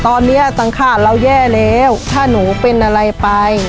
ตอนนี้สังขาดเราแย่แล้วถ้าหนูเป็นอะไรไป